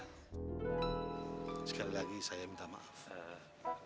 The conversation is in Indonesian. sekali lagi saya minta maaf